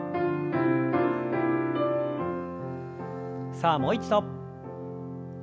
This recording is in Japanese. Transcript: さあもう一度。